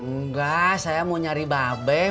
enggak saya mau nyari baabe mbak surti